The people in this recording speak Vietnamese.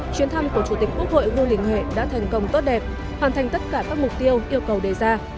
chuyến thăm của chủ tịch quốc hội vương đình huệ đã thành công tốt đẹp hoàn thành tất cả các mục tiêu yêu cầu đề ra